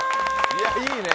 いや、いいね。